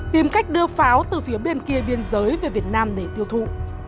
tìm cách đưa pháo từ phía bên kia biên giới về việt nam để tiêu thụ